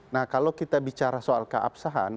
nah kalau kita bicara soal keabsahan